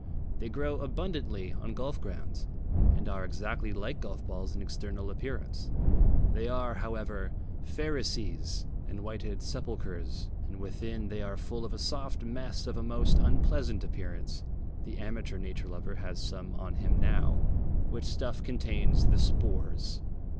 They grow abundantly on golf grounds, and are exactly like golf balls in external appearance. They are, however, Pharisees and whited sepulchres, and within they are full of a soft mess of a most unpleasant appearance the amateur nature lover has some on him now which stuff contains the spores.